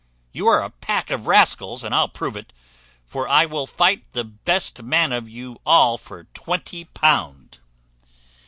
You are a pack of rascals, and I'll prove it; for I will fight the best man of you all for twenty pound."